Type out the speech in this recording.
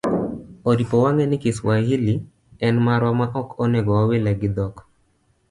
Oripo wang'e ni kiswahili en marwa ma ok onego wawile gi dhok